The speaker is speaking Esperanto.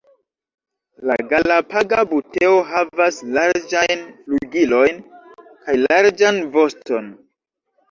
La Galapaga buteo havas larĝajn flugilojn kaj larĝan voston.